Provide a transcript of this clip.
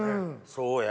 そうや。